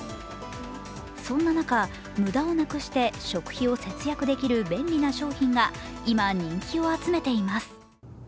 そんな中、無駄をなくして食費を節約できる便利な商品が今、人気を集めています。